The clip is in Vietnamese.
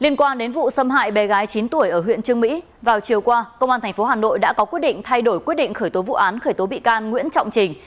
liên quan đến vụ xâm hại bé gái chín tuổi ở huyện trương mỹ vào chiều qua công an tp hà nội đã có quyết định thay đổi quyết định khởi tố vụ án khởi tố bị can nguyễn trọng trình